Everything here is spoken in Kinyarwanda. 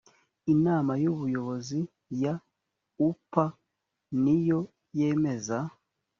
inama y ubuyobozi ya u p ni yo yemeza